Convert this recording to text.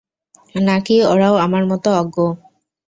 নাকি ওরাও আমার মতো অজ্ঞ?